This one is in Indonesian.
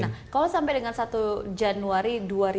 nah kalau sampai dengan satu januari